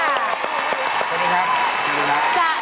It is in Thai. สวัสดีครับสวัสดีครับ